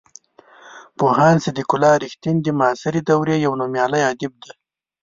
پوهاند صدیق الله رښتین د معاصرې دورې یو نومیالی ادیب دی.